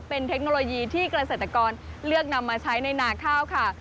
เป็นเทคโนโลยีที่เกษตรกรเลือกนำมาใช้ในนาข้าวค่ะ